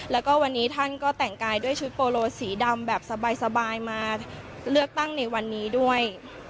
แล้วก็วันนี้ท่านก็แต่งกายด้วยชุดโปโลสีดำแบบสบายมาเลือกตั้งในวันนี้ด้วย